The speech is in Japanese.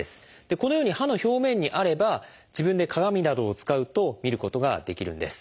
このように歯の表面にあれば自分で鏡などを使うと見ることができるんです。